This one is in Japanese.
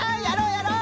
やろう！